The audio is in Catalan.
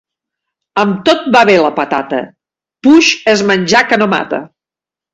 Amb tot va bé la patata, puix és menjar que no mata.